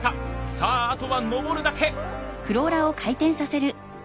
さああとは上るだけ！